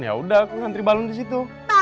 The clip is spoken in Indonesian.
ya udah aku ngantri balon di situ